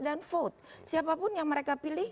dan vote siapapun yang mereka pilih